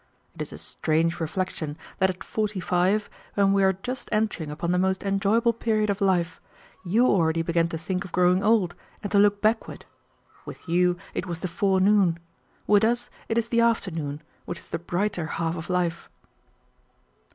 It is a strange reflection that at forty five, when we are just entering upon the most enjoyable period of life, you already began to think of growing old and to look backward. With you it was the forenoon, with us it is the afternoon, which is the brighter half of life."